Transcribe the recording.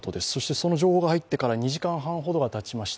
その情報が入ってから２時間半ほどがたちました。